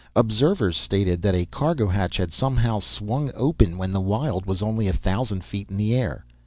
Observers stated that a cargo hatch had somehow swung open when the Wyld was only a thousand feet in the air.